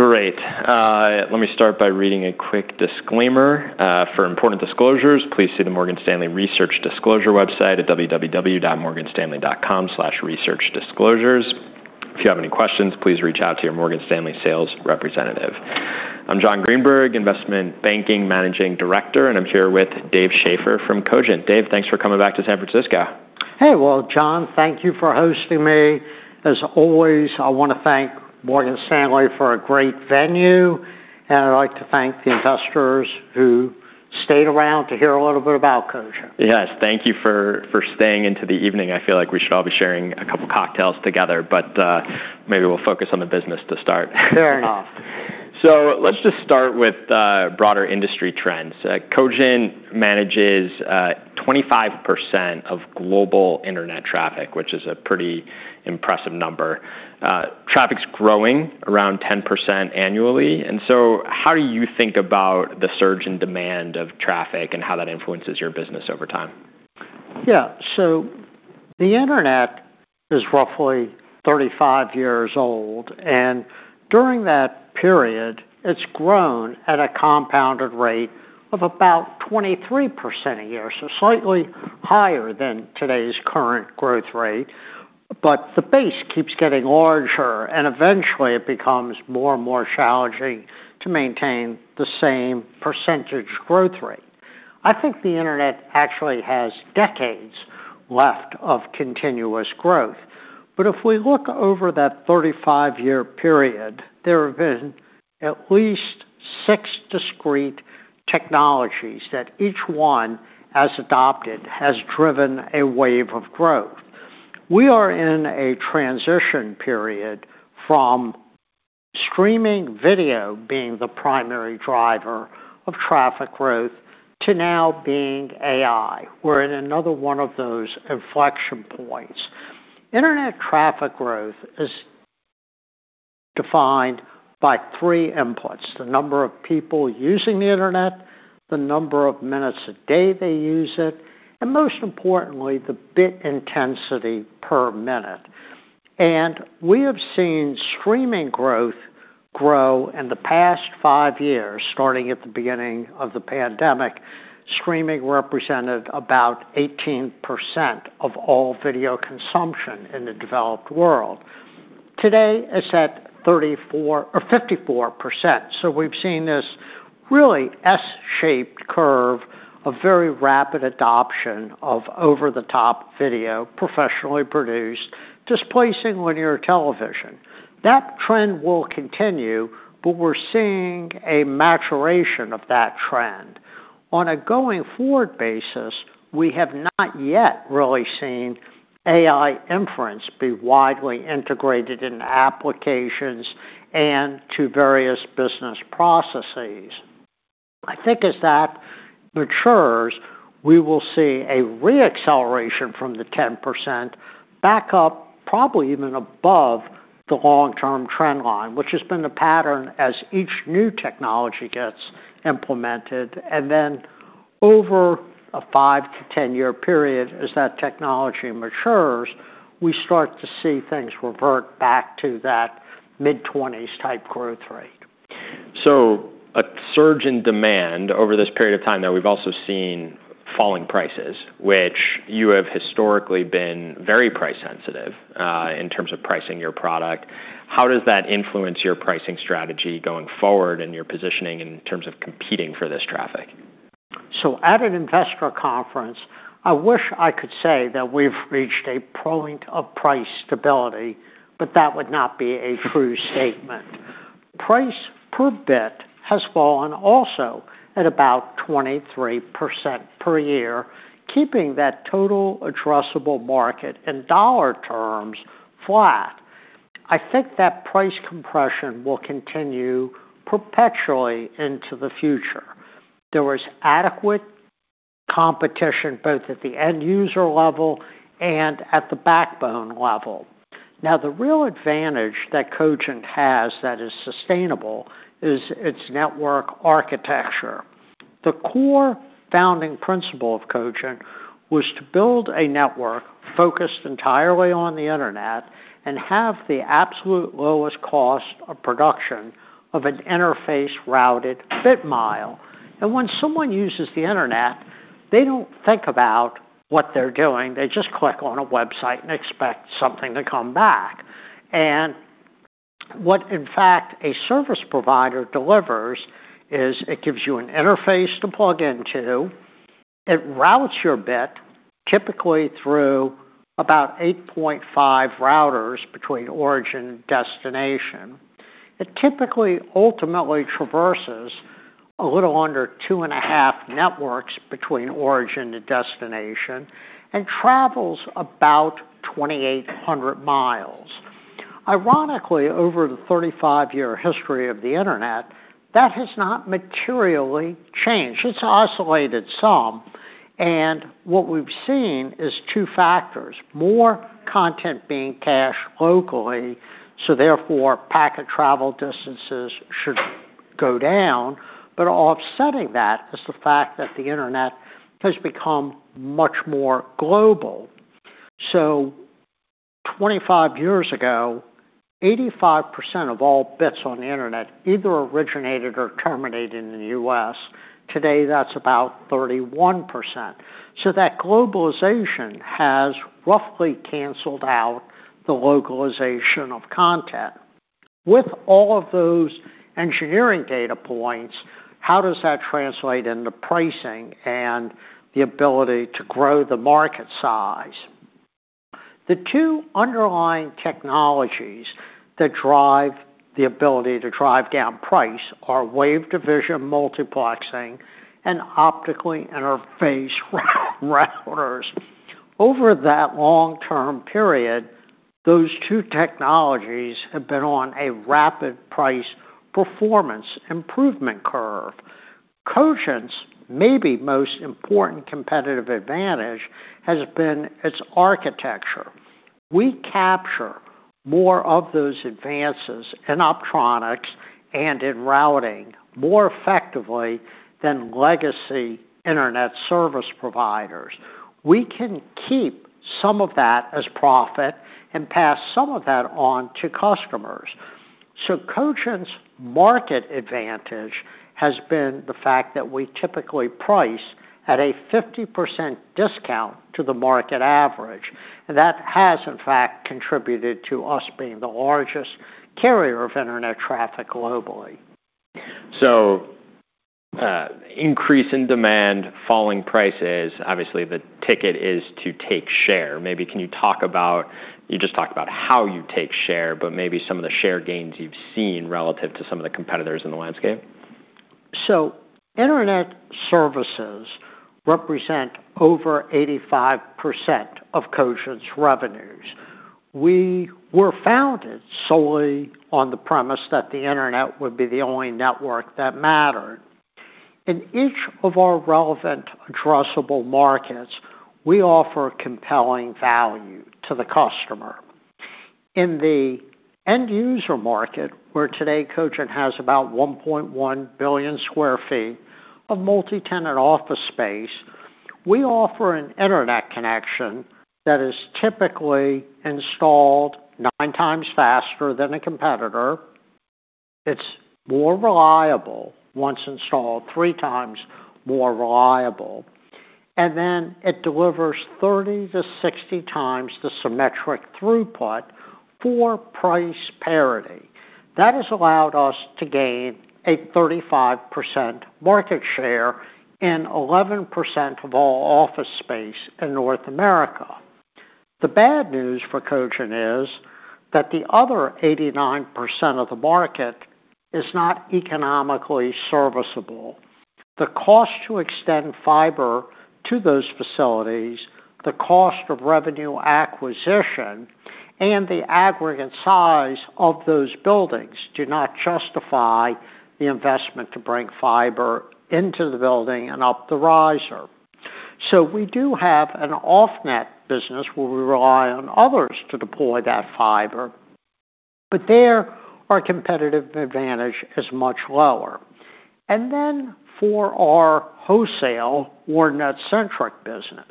Great. Let me start by reading a quick disclaimer. For important disclosures, please see the Morgan Stanley Research Disclosure website at www.morganstanley.com/researchdisclosures. If you have any questions, please reach out to your Morgan Stanley sales representative. I'm Jonathan Greenberg, investment banking Managing Director, and I'm here with Dave Schaeffer from Cogent. Dave, thanks for coming back to San Francisco. Hey. Well, Jonathan, thank you for hosting me. As always, I wanna thank Morgan Stanley for a great venue. I'd like to thank the investors who stayed around to hear a little bit about Cogent. Yes. Thank you for staying into the evening. I feel like we should all be sharing a couple cocktails together, but maybe we'll focus on the business to start off. Fair enough. Let's just start with broader industry trends. Cogent manages 25% of global internet traffic, which is a pretty impressive number. Traffic's growing around 10% annually, how do you think about the surge in demand of traffic and how that influences your business over time? The internet is roughly 35 years old. During that period, it's grown at a compounded rate of about 23% a year, slightly higher than today's current growth rate. The base keeps getting larger, and eventually, it becomes more and more challenging to maintain the same percentage growth rate. I think the internet actually has decades left of continuous growth. If we look over that 35-year period, there have been at least six discrete technologies that each one, as adopted, has driven a wave of growth. We are in a transition period from streaming video being the primary driver of traffic growth to now being AI. We're in another one of those inflection points. Internet traffic growth is defined by three inputs: the number of people using the internet, the number of minutes a day they use it, and most importantly, the bit intensity per minute. We have seen streaming growth grow in the past five years, starting at the beginning of the pandemic. Streaming represented about 18% of all video consumption in the developed world. Today, it's at 54%, so we've seen this really S-shaped curve of very rapid adoption of over-the-top video, professionally produced, displacing linear television. That trend will continue, but we're seeing a maturation of that trend. On a going-forward basis, we have not yet really seen AI inference be widely integrated in applications and to various business processes. I think as that matures, we will see a re-acceleration from the 10% back up probably even above the long-term trend line, which has been the pattern as each new technology gets implemented. Over a five to 10-year period, as that technology matures, we start to see things revert back to that mid-20s type growth rate. A surge in demand over this period of time, now we've also seen falling prices, which you have historically been very price sensitive, in terms of pricing your product. How does that influence your pricing strategy going forward and you're positioning in terms of competing for this traffic? At an investor conference, I wish I could say that we've reached a point of price stability, but that would not be a true statement. Price per bit has fallen also at about 23% per year, keeping that total addressable market in dollar terms flat. I think that price compression will continue perpetually into the future. There is adequate competition, both at the end user level and at the backbone level. The real advantage that Cogent has that is sustainable is its network architecture. The core founding principle of Cogent was to build a network focused entirely on the internet and have the absolute lowest cost of production of an interface-routed bit mile. When someone uses the internet, they don't think about what they're doing. They just click on a website and expect something to come back. What, in fact, a service provider delivers is it gives you an interface to plug into. It routes your bit, typically through about 8.5 routers between origin and destination. It typically ultimately traverses a little under 2.5 networks between origin to destination and travels about 2,800 miles. Ironically, over the 35-year history of the Internet, that has not materially changed. It's oscillated some, and what we've seen is two factors: more content being cached locally, so therefore packet travel distances should go down, but offsetting that is the fact that the Internet has become much more global. 25 years ago, 85% of all bits on the Internet either originated or terminated in the U.S. Today, that's about 31%. That globalization has roughly canceled out the localization of content. With all of those engineering data points, how does that translate into pricing and the ability to grow the market size? The two underlying technologies that drive the ability to drive down price are Wavelength Division Multiplexing and Optically Interfaced Routers. Over that long-term period, those two technologies have been on a rapid price performance improvement curve. Cogent's maybe most important competitive advantage has been its architecture. We capture more of those advances in optronics and in routing more effectively than legacy internet service providers. We can keep some of that as profit and pass some of that on to customers. Cogent's market advantage has been the fact that we typically price at a 50% discount to the market average. That has, in fact, contributed to us being the largest carrier of internet traffic globally. Increase in demand, falling prices, obviously the ticket is to take share. Maybe can you talk about. You just talked about how you take share, but maybe some of the share gains you've seen relative to some of the competitors in the landscape? Internet services represent over 85% of Cogent's revenues. We were founded solely on the premise that the internet would be the only network that mattered. In each of our relevant addressable markets, we offer compelling value to the customer. In the end user market, where today Cogent has about 1.1 billion sq ft of multi-tenant office space, we offer an internet connection that is typically installed nine times faster than a competitor. It's more reliable once installed, three times more reliable, it delivers 30-60 times the symmetric throughput for price parity. That has allowed us to gain a 35% market share in 11% of all office space in North America. The bad news for Cogent is that the other 89% of the market is not economically serviceable. The cost to extend fiber to those facilities, the cost of revenue acquisition, and the aggregate size of those buildings do not justify the investment to bring fiber into the building and up the riser. We do have an off-net business where we rely on others to deploy that fiber, but there our competitive advantage is much lower. For our wholesale or Net-centric business,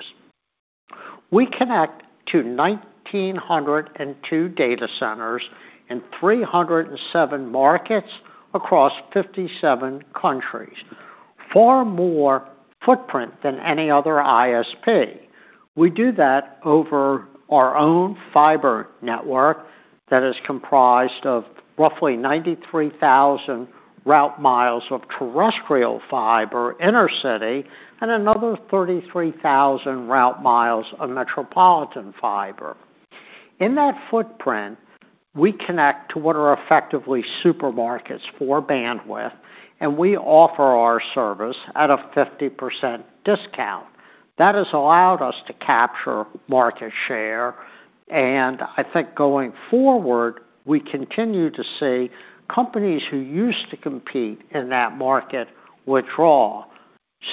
we connect to 1,902 data centers in 307 markets across 57 countries. Far more footprint than any other ISP. We do that over our own fiber network that is comprised of roughly 93,000 route miles of terrestrial fiber inner city and another 33,000 route miles of metropolitan fiber. In that footprint, we connect to what are effectively supermarkets for bandwidth, and we offer our service at a 50% discount. That has allowed us to capture market share, and I think going forward, we continue to see companies who used to compete in that market withdraw.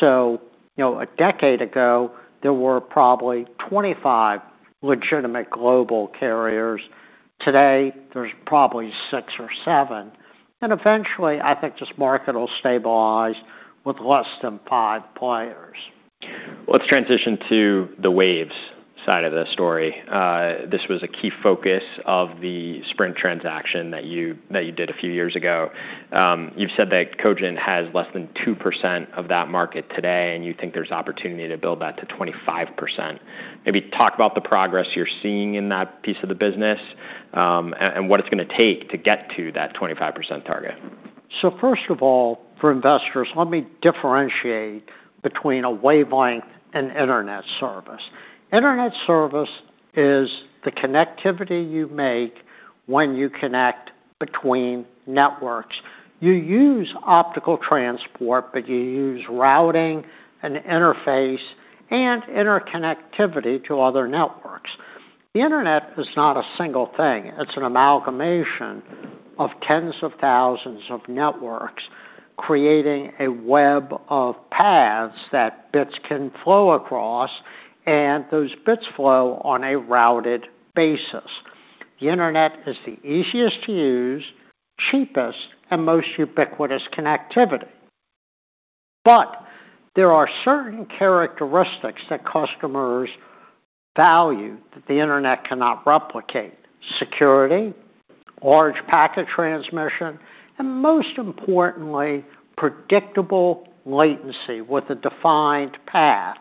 You know, a decade ago, there were probably 25 legitimate global carriers. Today, there's probably six or seven, and eventually, I think this market will stabilize with less than five players. Let's transition to the Wavelength Division Multiplexing side of the story. This was a key focus of the Sprint transaction that you did a few years ago. You've said that Cogent has less than 2% of that market today, and you think there's opportunity to build that to 25%. Maybe talk about the progress you're seeing in that piece of the business, and what it's gonna take to get to that 25% target. First of all, for investors, let me differentiate between a Wavelength Division Multiplexing and Internet service. Internet service is the connectivity you make when you connect between networks. You use optical transport, but you use routing and interface and interconnectivity to other networks. The Internet is not a single thing. It's an amalgamation of tens of thousands of networks creating a web of paths that bits can flow across, and those bits flow on a routed basis. The Internet is the easiest to use, cheapest, and most ubiquitous connectivity. But there are certain characteristics that customers value that the Internet cannot replicate: security, large packet transmission, and most importantly, predictable latency with a defined path.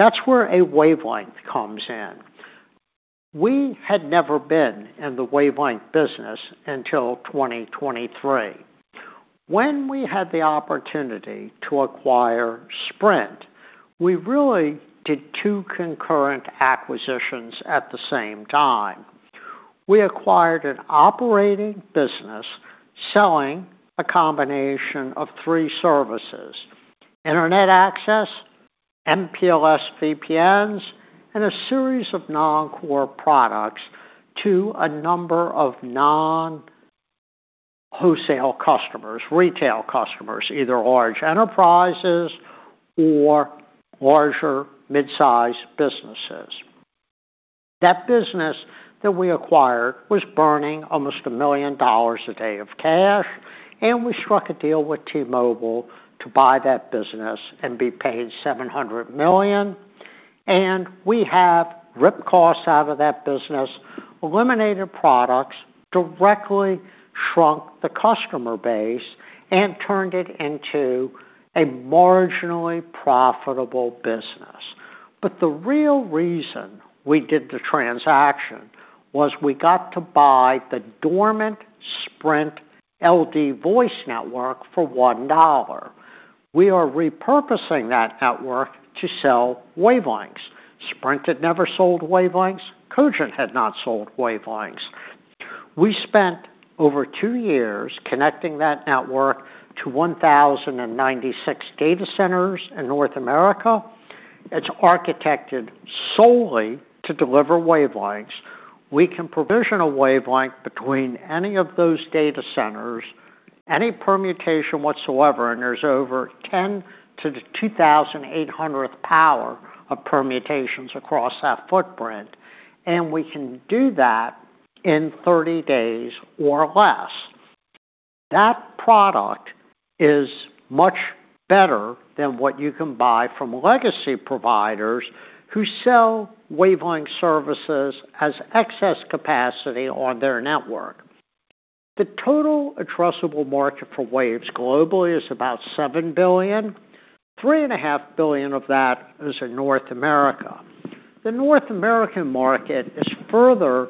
That's where a Wavelength comes in. We had never been in the Wavelength Division Multiplexing business until 2023. When we had the opportunity to acquire Sprint, we really did two concurrent acquisitions at the same time. We acquired an operating business selling a combination of three services, internet access, MPLS VPNs, and a series of non-core products to a number of non-wholesale customers, retail customers, either large enterprises or larger mid-size businesses. That business that we acquired was burning almost $1 million a day of cash. We struck a deal with T-Mobile to buy that business and be paid $700 million. We have ripped costs out of that business, eliminated products, directly shrunk the customer base, and turned it into a marginally profitable business. The real reason we did the transaction was we got to buy the dormant Sprint LD voice network for $1. We are repurposing that network to sell Wavelength Division Multiplexing. Sprint had never sold Wavelength Division Multiplexing. Cogent had not sold Wavelength Division Multiplexing. We spent over two years connecting that network to 1,096 data centers in North America. It's architected solely to deliver wavelengths. We can provision a wavelength between any of those data centers, any permutation whatsoever. There's over 10 to the 2,800th power of permutations across that footprint, and we can do that in 30 days or less. That product is much better than what you can buy from legacy providers who sell wavelength services as excess capacity on their network. The total addressable market for waves globally is about $7 billion. $3.5 billion of that is in North America. The North American market is further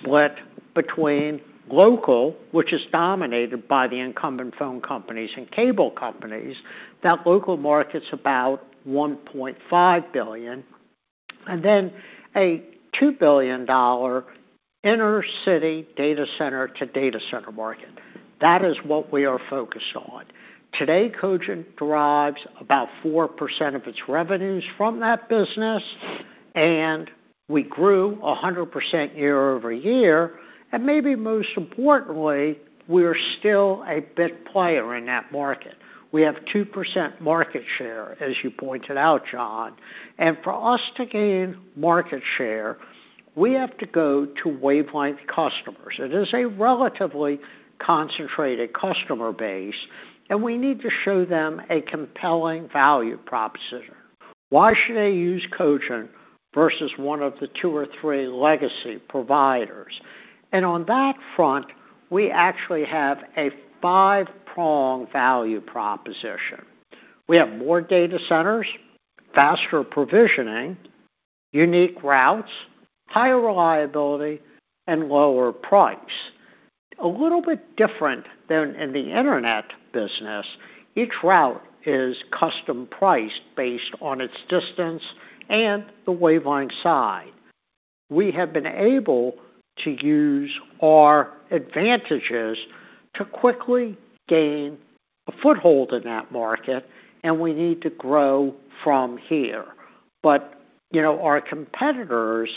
split between local, which is dominated by the incumbent phone companies and cable companies. That local market's about $1.5 billion. A $2 billion inner-city data center to data center market. That is what we are focused on. Today, Cogent derives about 4% of its revenues from that business, we grew 100% year-over-year. Maybe most importantly, we're still a big player in that market. We have 2% market share, as you pointed out, Jonathan. For us to gain market share, we have to go to Wavelength customers. It is a relatively concentrated customer base, and we need to show them a compelling value proposition. Why should they use Cogent versus one of the two or three legacy providers? On that front, we actually have a five-prong value proposition. We have more data centers, faster provisioning, unique routes, higher reliability, and lower price. A little bit different than in the Internet business, each route is custom priced based on its distance and the Wavelength Division Multiplexing side. We have been able to use our advantages to quickly gain a foothold in that market, and we need to grow from here. You know, our competitors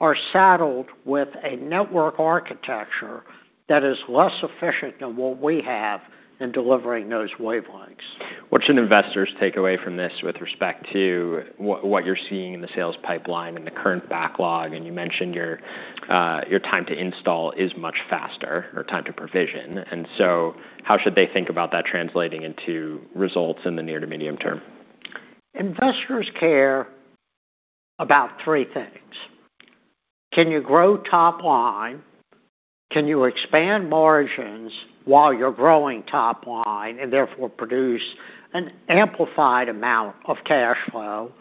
are saddled with a network architecture that is less efficient than what we have in delivering those Wavelength Division Multiplexing. What should investors take away from this with respect to what you're seeing in the sales pipeline and the current backlog? You mentioned your time to install is much faster or time to provision. How should they think about that translating into results in the near to medium term? Investors care about three things. Can you grow top line? Can you expand margins while you're growing top line and therefore produce an amplified amount of cash flow?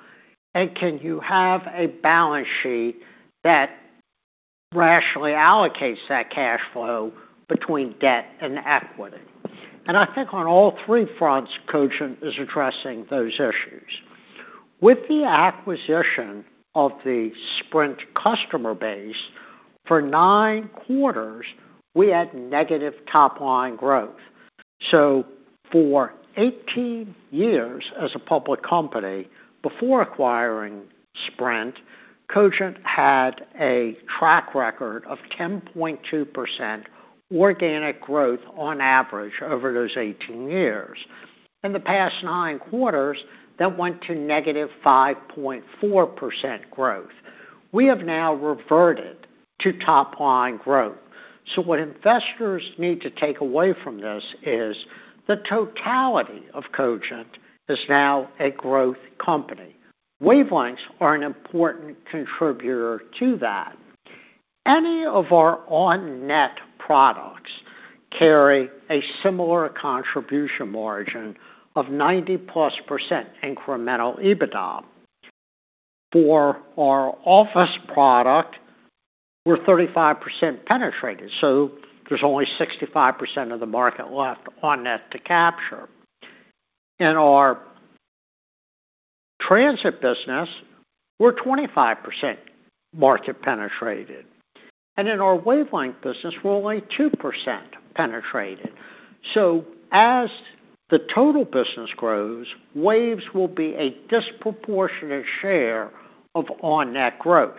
Can you have a balance sheet that rationally allocates that cash flow between debt and equity? I think on all three fronts, Cogent is addressing those issues. With the acquisition of the Sprint customer base, for nine quarters, we had negative top line growth. For 18 years as a public company, before acquiring Sprint, Cogent had a track record of 10.2% organic growth on average over those 18 years. In the past nine quarters, that went to negative 5.4% growth. We have now reverted to top line growth. What investors need to take away from this is the totality of Cogent is now a growth company. Wavelengths are an important contributor to that. Any of our on-net products carry a similar contribution margin of 90%+ incremental EBITDA. For our office product, we're 35% penetrated, there's only 65% of the market left on-net to capture. In our transit business, we're 25% market penetrated. In our Wavelength Division Multiplexing business, we're only 2% penetrated. As the total business grows, Waves will be a disproportionate share of on-net growth.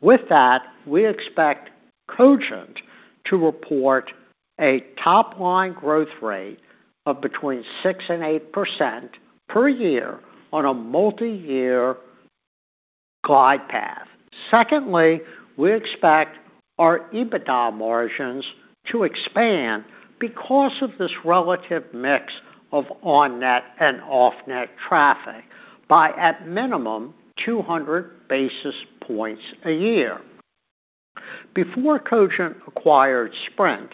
With that, we expect Cogent to report a top-line growth rate of between 6%-8% per year on a multi-year glide path. Secondly, we expect our EBITDA margins to expand because of this relative mix of on-net and off-net traffic by at minimum 200 basis points a year. Before Cogent acquired Sprint,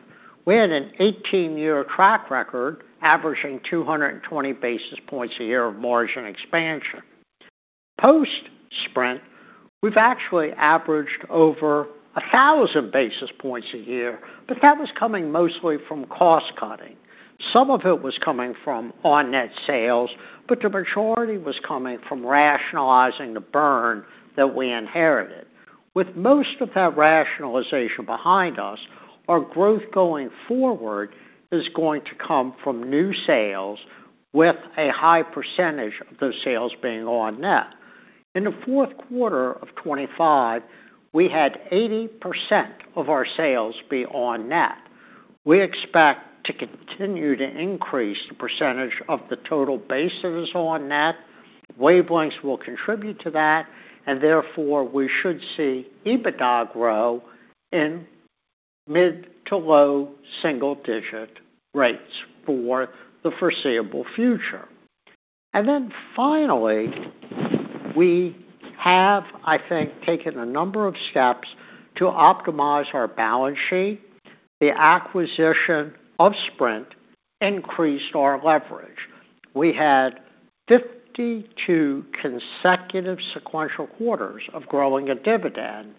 we had an 18-year track record averaging 220 basis points a year of margin expansion. Post Sprint, we've actually averaged over 1,000 basis points a year, but that was coming mostly from cost-cutting. Some of it was coming from on-net sales, but the majority was coming from rationalizing the burn that we inherited. With most of that rationalization behind us, our growth going forward is going to come from new sales with a high percentage of those sales being on-net. In the fourth quarter of 2025, we had 80% of our sales be on-net. We expect to continue to increase the percentage of the total basis on-net. Wavelengths will contribute to that, and therefore, we should see EBITDA grow in mid to low single-digit rates for the foreseeable future. Finally, we have, I think, taken a number of steps to optimize our balance sheet. The acquisition of Sprint increased our leverage. We had 52 consecutive sequential quarters of growing a dividend.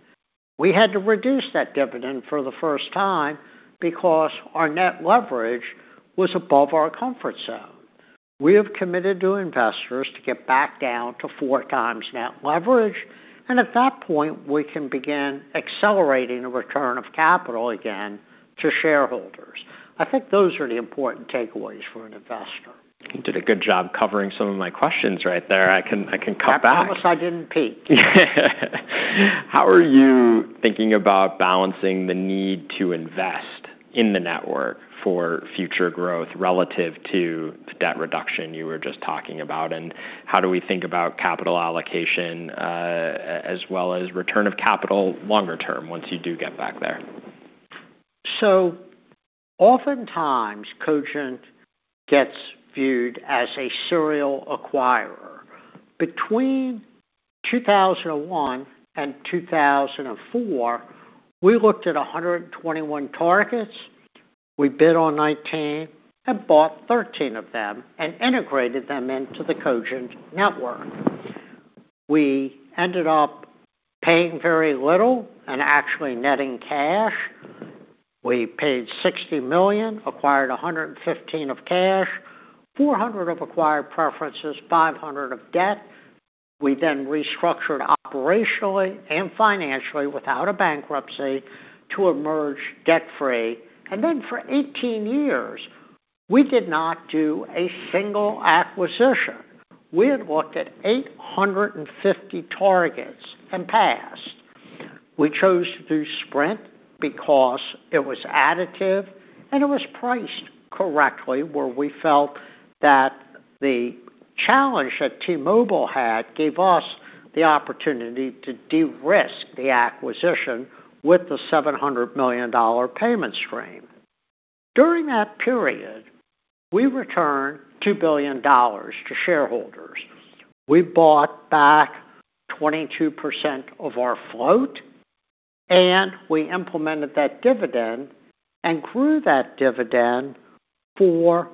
We had to reduce that dividend for the first time because our net leverage was above our comfort zone. We have committed to investors to get back down to 4x net leverage. At that point, we can begin accelerating the return of capital again to shareholders. I think those are the important takeaways for an investor. You did a good job covering some of my questions right there. I can cut back. I promise I didn't peek. How are you thinking about balancing the need to invest in the network for future growth relative to the debt reduction you were just talking about? How do we think about capital allocation, as well as return of capital longer term once you do get back there? Oftentimes, Cogent gets viewed as a serial acquirer. Between 2001 and 2004, we looked at 121 targets. We bid on 19 and bought 13 of them and integrated them into the Cogent network. We ended up paying very little and actually netting cash. We paid $60 million, acquired $115 million of cash, $400 million of acquired preferences, $500 million of debt. We then restructured operationally and financially without a bankruptcy to emerge debt-free. For 18 years, we did not do a single acquisition. We had looked at 850 targets and passed. We chose to do Sprint because it was additive, and it was priced correctly, where we felt that the challenge that T-Mobile had gave us the opportunity to de-risk the acquisition with the $700 million payment stream. During that period, we returned $2 billion to shareholders. We bought back 22% of our float, and we implemented that dividend and grew that dividend for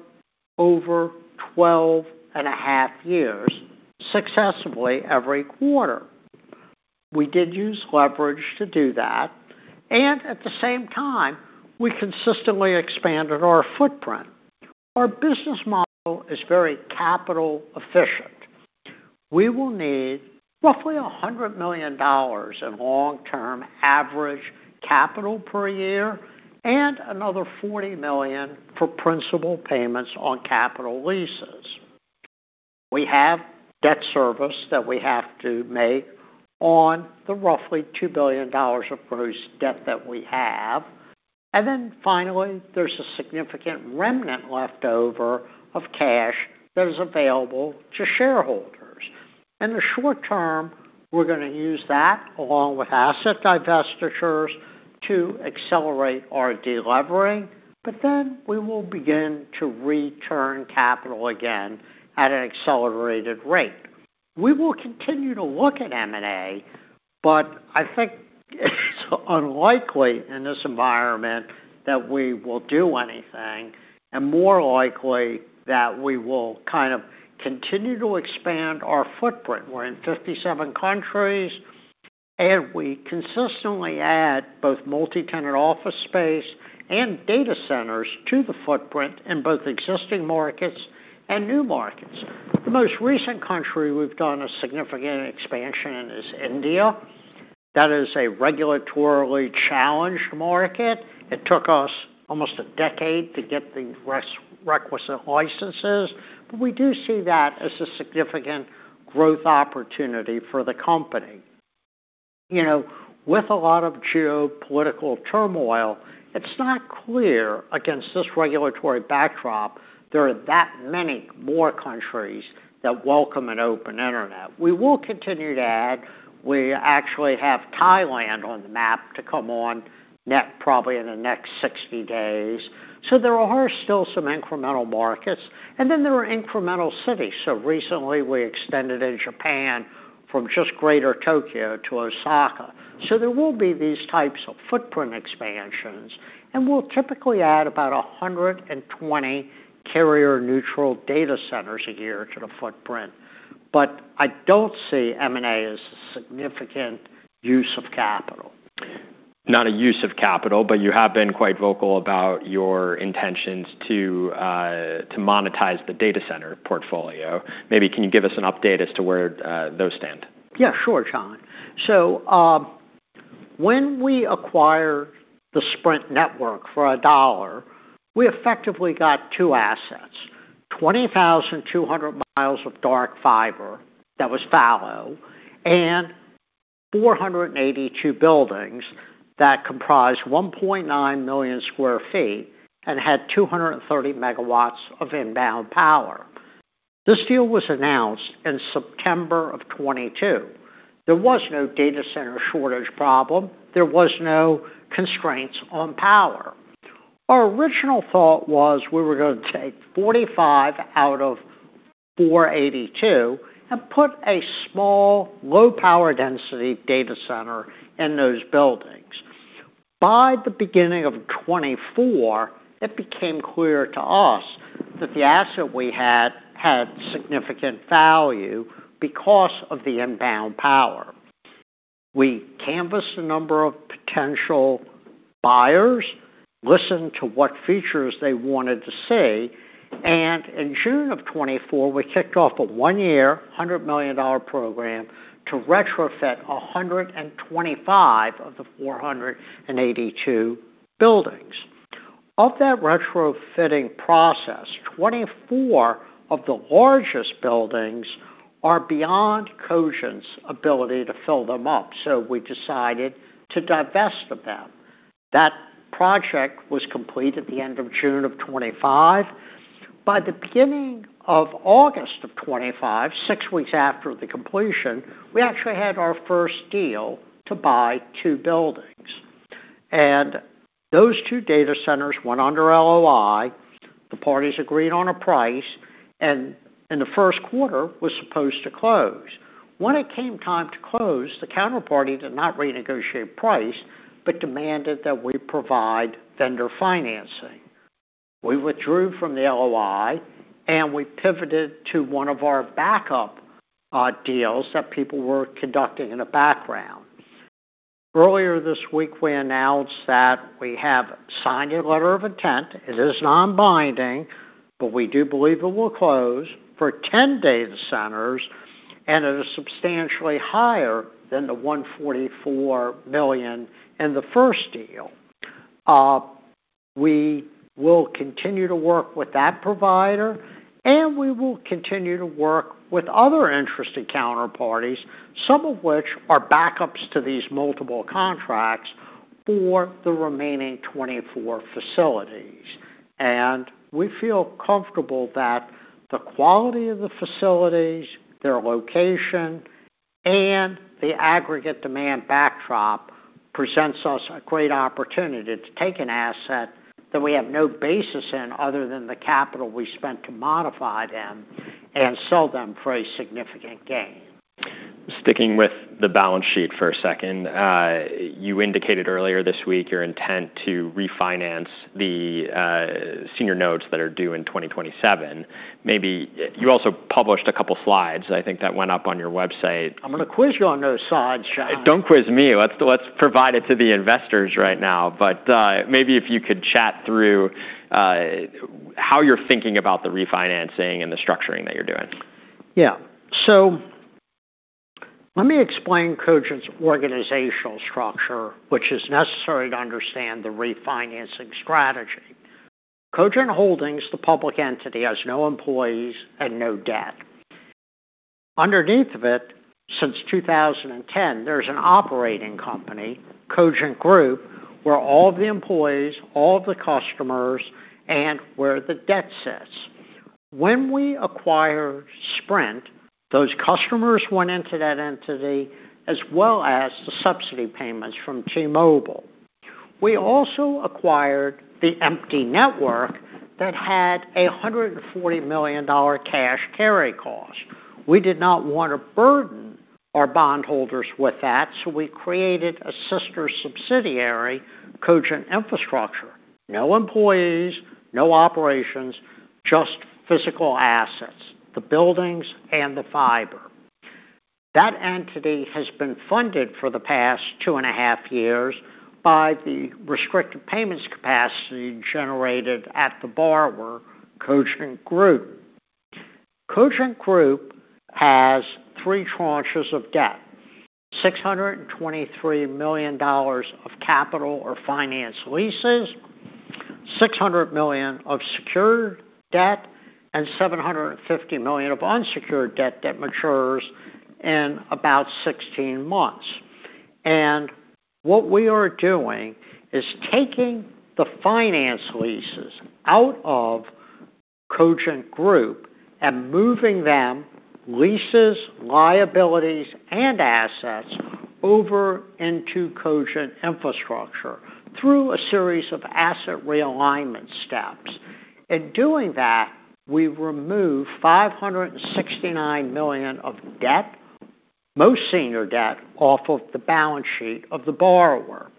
over 12 and a half years successively every quarter. We did use leverage to do that, and at the same time, we consistently expanded our footprint. Our business model is very capital efficient. We will need roughly $100 million in long-term average capital per year and another $40 million for principal payments on capital leases. We have debt service that we have to make on the roughly $2 billion of gross debt that we have. Finally, there's a significant remnant leftover of cash that is available to shareholders. In the short term, we're gonna use that along with asset divestitures to accelerate our de-levering, we will begin to return capital again at an accelerated rate. We will continue to look at M&A, but I think it's unlikely in this environment that we will do anything, and more likely that we will kind of continue to expand our footprint. We're in 57 countries, and we consistently add both multi-tenant office space and data centers to the footprint in both existing markets and new markets. The most recent country we've done a significant expansion in is India. That is a regulatorily challenged market. It took us almost a decade to get the requisite licenses, but we do see that as a significant growth opportunity for the company. You know, with a lot of geopolitical turmoil, it's not clear against this regulatory backdrop there are that many more countries that welcome an open internet. We will continue to add. We actually have Thailand on the map to come on net probably in the next 60 days. There are still some incremental markets, and then there are incremental cities. Recently we extended in Japan from just Greater Tokyo to Osaka. There will be these types of footprint expansions, and we'll typically add about 120 carrier-neutral data centers a year to the footprint. I don't see M&A as a significant use of capital. Not a use of capital, but you have been quite vocal about your intentions to monetize the data center portfolio. Maybe can you give us an update as to where those stand? Yeah, sure, Jonathan. When we acquired the Sprint network for $1, we effectively got two assets, 20,200 mi of dark fiber that was fallow and 482 buildings that comprised 1.9 million sq ft and had 230 MW of inbound power. This deal was announced in September of 2022. There was no data center shortage problem. There were no constraints on power. Our original thought was we were gonna take 45 out of 482 and put a small, low power density data center in those buildings. By the beginning of 2024, it became clear to us that the asset we had had significant value because of the inbound power. We canvassed a number of potential buyers, listened to what features they wanted to see, in June of 2024, we kicked off a one-year, $100 million program to retrofit 125 of the 482 buildings. Of that retrofitting process, 24 of the largest buildings are beyond Cogent's ability to fill them up, so we decided to divest of them. That project was complete at the end of June of 2025. By the beginning of August of 2025, six weeks after the completion, we actually had our first deal to buy two buildings. Those two data centers went under LOI, the parties agreed on a price, and in the first quarter was supposed to close. When it came time to close, the counterparty did not renegotiate price but demanded that we provide vendor financing. We withdrew from the LOI. We pivoted to one of our backup deals that people were conducting in the background. Earlier this week, we announced that we have signed a letter of intent. It is non-binding. We do believe it will close for 10 data centers. It is substantially higher than the $144 million in the first deal. We will continue to work with that provider. We will continue to work with other interested counterparties, some of which are backups to these multiple contracts for the remaining 24 facilities. We feel comfortable that the quality of the facilities, their location, and the aggregate demand backdrop presents us a great opportunity to take an asset that we have no basis in other than the capital we spent to modify them and sell them for a significant gain. Sticking with the balance sheet for a second, you indicated earlier this week your intent to refinance the senior notes that are due in 2027. You also published a couple slides, I think, that went up on your website. I'm gonna quiz you on those slides, Jonathan. Don't quiz me. Let's provide it to the investors right now. Maybe if you could chat through how you're thinking about the refinancing and the structuring that you're doing. Yeah. Let me explain Cogent's organizational structure, which is necessary to understand the refinancing strategy. Cogent Holdings, the public entity, has no employees and no debt. Underneath of it, since 2010, there's an operating company, Cogent Group, where all the employees, all the customers, and where the debt sits. When we acquired Sprint, those customers went into that entity, as well as the subsidy payments from T-Mobile. We also acquired the empty network that had a $140 million cash carry cost. We did not want to burden our bondholders with that, so we created a sister subsidiary, Cogent Infrastructure. No employees, no operations, just physical assets, the buildings and the fiber. That entity has been funded for the past two and half years by the restricted payments capacity generated at the borrower, Cogent Group. Cogent Group has three tranches of debt, $623 million of capital or finance leases, $600 million of secured debt, and $750 million of unsecured debt that matures in about 16 months. What we are doing is taking the finance leases out of Cogent Group and moving them, leases, liabilities, and assets, over into Cogent Infrastructure through a series of asset realignment steps. In doing that, we remove $569 million of debt, most senior debt, off of the balance sheet of the borrower.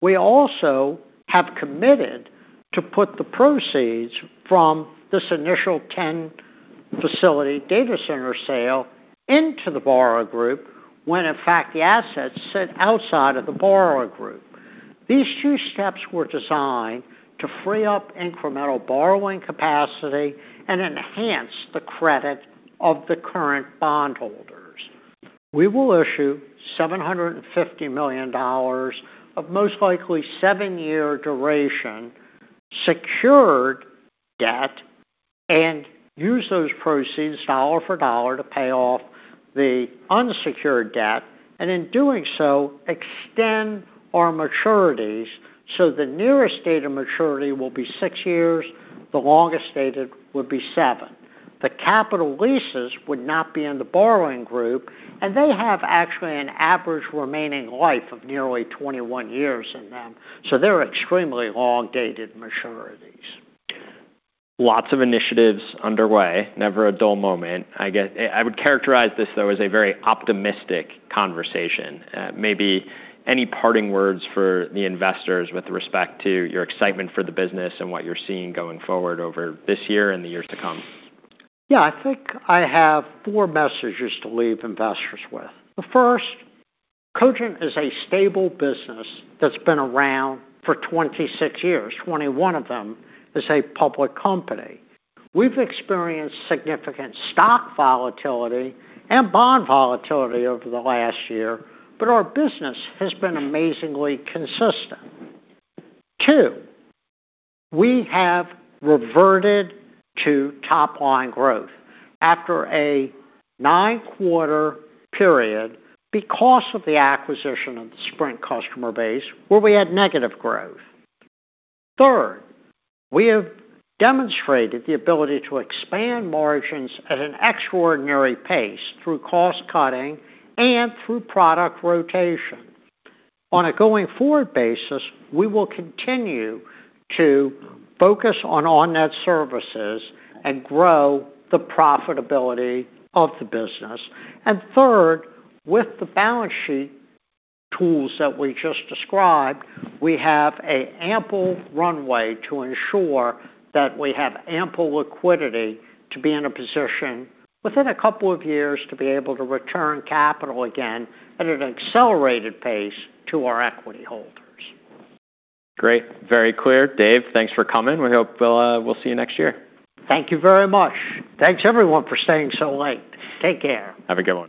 We also have committed to put the proceeds from this initial 10 facility data center sale into the borrower group when in fact the assets sit outside of the borrower group. These two steps were designed to free up incremental borrowing capacity and enhance the credit of the current bondholders. We will issue $750 million of most likely seven-year duration secured debt and use those proceeds dollar for dollar to pay off the unsecured debt, and in doing so, extend our maturities, so the nearest date of maturity will be six years, the longest stated would be seven. The capital leases would not be in the borrowing group, and they have actually an average remaining life of nearly 21 years in them, so they're extremely long-dated maturities. Lots of initiatives underway. Never a dull moment. I would characterize this, though, as a very optimistic conversation. Maybe any parting words for the investors with respect to your excitement for the business and what you're seeing going forward over this year and the years to come? Yeah. I think I have four messages to leave investors with. The first, Cogent is a stable business that's been around for 26 years. 21 of them as a public company. We've experienced significant stock volatility and bond volatility over the last year, but our business has been amazingly consistent. Two, we have reverted to top line growth after a nine-quarter period because of the acquisition of the Sprint customer base where we had negative growth. Third, we have demonstrated the ability to expand margins at an extraordinary pace through cost cutting and through product rotation. On a going-forward basis, we will continue to focus on net services and grow the profitability of the business. Third, with the balance sheet tools that we just described, we have a ample runway to ensure that we have ample liquidity to be in a position within a couple of years to be able to return capital again at an accelerated pace to our equity holders. Great. Very clear. Dave, thanks for coming. We hope we'll see you next year. Thank you very much. Thanks everyone for staying so late. Take care. Have a good one.